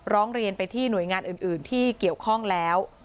ร้องเรียนไปที่หน่วยงานอื่นที่เกี่ยวข้องแล้ว